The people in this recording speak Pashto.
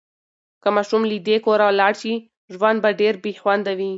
که ماشوم له دې کوره لاړ شي، ژوند به ډېر بې خونده وي.